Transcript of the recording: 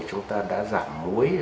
chúng ta đã giảm muối